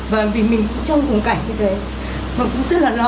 và vì mình cũng trong vùng cảnh như thế họ cũng rất là lo